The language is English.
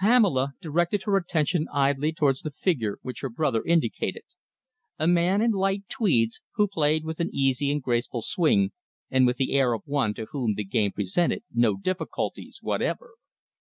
Pamela directed her attention idly towards the figure which her brother indicated a man in light tweeds, who played with an easy and graceful swing, and with the air of one to whom the game presented no difficulties whatever.